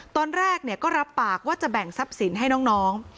ตอนแรกก็รับปากว่าจะแบ่งทรัพย์สินให้น้อง